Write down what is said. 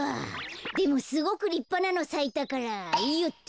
でもすごくりっぱなのさいたからよっと。